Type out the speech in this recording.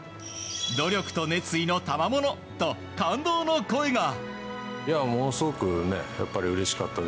努力と熱意の賜物と感動の声が。